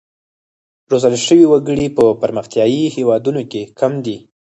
روزل شوي وګړي په پرمختیايي هېوادونو کې کم دي.